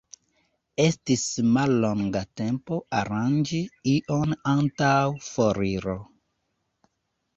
Estis mallonga tempo aranĝi ion antaŭ foriro.